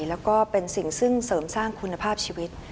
แล้วก็เป็นสิ่งซึ่งเสริมสร้างคุณภาพชีวิต